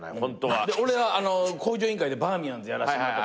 俺は『向上委員会』でバーミヤンズやらしてもらった。